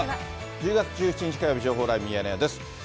１０月１７日火曜日、情報ライブミヤネ屋です。